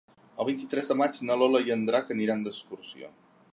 El vint-i-tres de maig na Lola i en Drac aniran d'excursió.